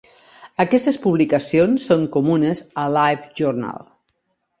Aquestes publicacions són comunes a LiveJournal.